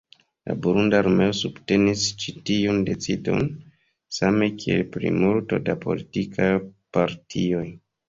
La burunda armeo subtenis ĉi tiun decidon, same kiel plejmulto da politikaj partioj.